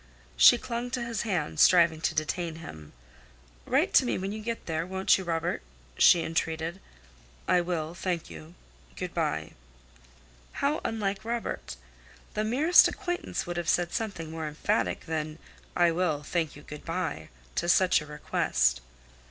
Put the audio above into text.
She clung to his hand, striving to detain him. "Write to me when you get there, won't you, Robert?" she entreated. "I will, thank you. Good by." How unlike Robert! The merest acquaintance would have said something more emphatic than "I will, thank you; good by," to such a request.